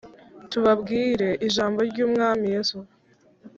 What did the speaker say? tubabwire ijambo ry'umwami yesu,